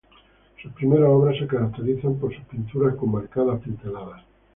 Sus primeras obras se caracterizan por sus pinturas con marcadas pinceladas.